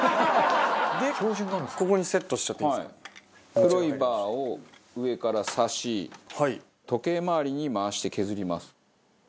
黒いバーを上からさし時計回りに回して削ります。